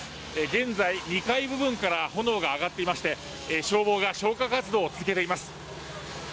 現在２階部分から炎が上がっていまして消防が消火活動を続けています。